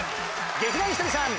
劇団ひとりさん